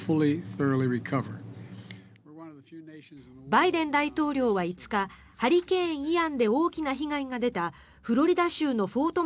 バイデン大統領は５日ハリケーン、イアンで大きな被害が出たフロリダ州のフォート